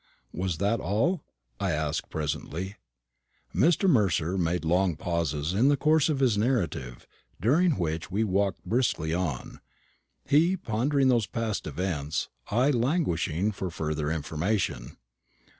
"Was that all?" I asked presently. Mr. Mercer made long pauses in the course of his narrative, during which we walked briskly on; he pondering on those past events, I languishing for further information.